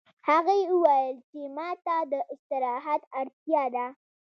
هغې وویل چې ما ته د استراحت اړتیا ده